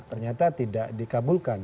ternyata tidak dikabulkan